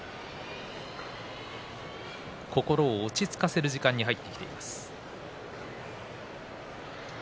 心を落ち着かせる時間に入ってきています。